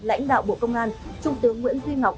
lãnh đạo bộ công an trung tướng nguyễn duy ngọc